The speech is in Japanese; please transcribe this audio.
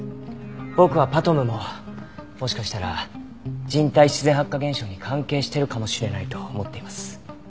僕はＰＡＴＭももしかしたら人体自然発火現象に関係してるかもしれないと思っています。